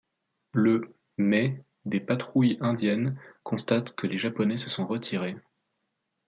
Le mai des patrouilles indiennes constatent que les Japonais se sont retirés.